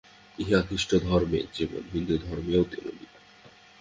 ইহা খ্রীষ্টধর্মে যেমন, হিন্দুধর্মেও তেমনি।